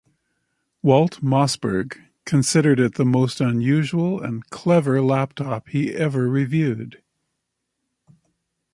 Walt Mossberg considered it the most unusual and clever laptop he ever reviewed.